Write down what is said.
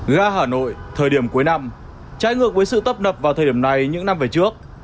ga hà nội thời điểm cuối năm trái ngược với sự tấp nập vào thời điểm này những năm về trước